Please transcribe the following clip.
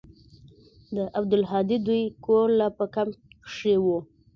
د عبدالهادي دوى کور لا په کمپ کښې و.